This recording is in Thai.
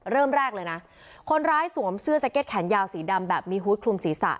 เริ่มแรกเลยนะคนร้ายสวมเสื้อแจ็คเก็ตแขนยาวสีดำแบบมีฮูตคลุมศีรษะ